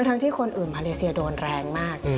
ทั้งที่คนอื่นมาเลเซียโดนแรงมาก